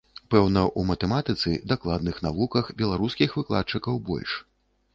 Пэўна, у матэматыцы, дакладных навуках беларускіх выкладчыкаў больш.